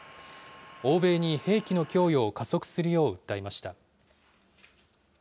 欧米に兵器の供与を加速するよう訴えました。